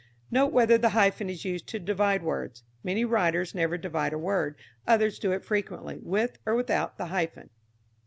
Note whether the hyphen is used to divide words. Many writers never divide a word, others do it frequently, with or without the hyphen.